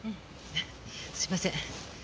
すいません。